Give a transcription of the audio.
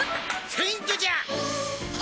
フェイントじゃあ！